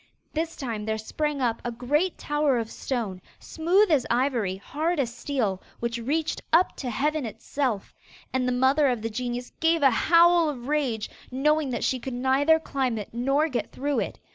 This time there sprang up a great tower of stone, smooth as ivory, hard as steel, which reached up to heaven itself. And the mother of the genius gave a howl of rage, knowing that she could neither climb it nor get through it.